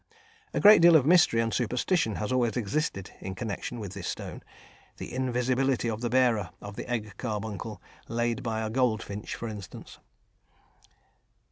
A great deal of mystery and superstition has always existed in connexion with this stone the invisibility of the bearer of the egg carbuncle laid by a goldfinch, for instance.